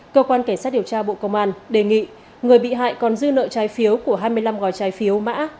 cơ quan cảnh sát điều tra bộ công an đề nghị người bị hại còn dư nợ trái phiếu của hai mươi năm gói trái phiếu mã